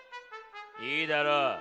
いいだろう。